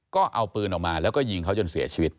ก็เอาปืนออกมาแล้วก็ยิงเขาจนเสียชีวิต